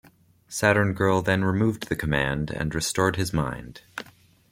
Saturn Girl then removed the command and restored his mind.